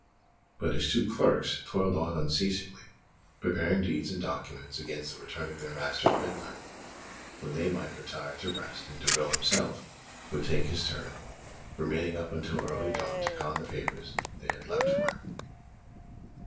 But his two clerks toiled on unceasingly, preparing deeds and documents against the return of their master at midnight, when they might retire to rest and Derville himself would take his turn, remaining up until early dawn to con the papers they had left for him.